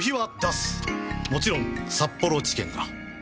もちろん札幌地検が。